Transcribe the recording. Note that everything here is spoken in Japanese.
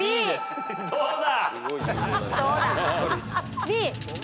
どうだ？